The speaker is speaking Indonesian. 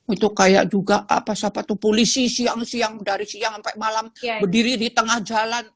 itu kayak juga apa siapa tuh polisi siang siang dari siang sampai malam berdiri di tengah jalan